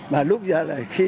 mà lúc ra là khi